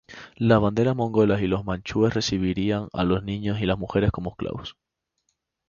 Las banderas mongolas y los manchúes recibirían a los niños y mujeres como esclavos.